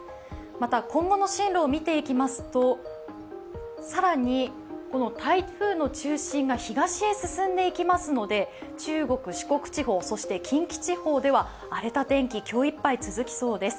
また、今後の進路を見ていきますと更にこの台風の中心が東へ進んでいきますので、中国・四国地方、そして近畿地方では荒れた天気、今日いっぱい続きそうです。